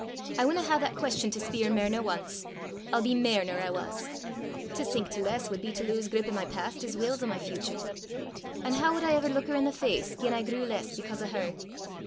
I winna hae that queston to speir mair nor ance! I'll be mair nor I was. To sink to less wad be to lowse grip o' my past as weel 's o' my futur! An' hoo wad I ever luik her i' the face gien I grew less because o' her!